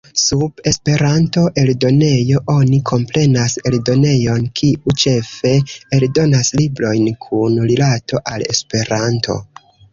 Sub "Esperanto-eldonejo" oni komprenas eldonejon, kiu ĉefe eldonas librojn kun rilato al Esperanto.